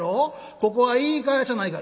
ここは言い返さないかん」。